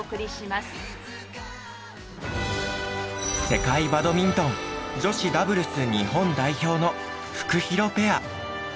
世界バドミントン女子ダブルス日本代表のフクヒロペア。